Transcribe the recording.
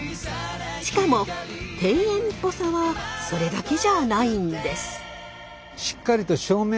しかも庭園っぽさはそれだけじゃないんです。